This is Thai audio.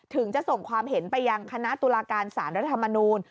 ถึงจะส่งความเห็นไปยังคณะตุลาการสารรัฐธรรมนูล